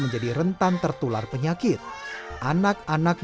nanti semua pen shack